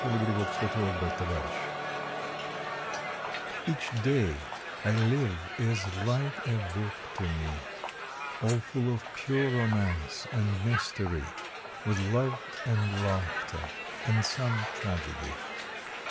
May Fifteenth THE DAILY BOOK "C^ACH day I live is like a book to me, All full of pure romance and mystery, With love and laughter and some tragedy.